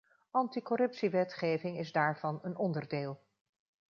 Anticorruptiewetgeving is daarvan een onderdeel.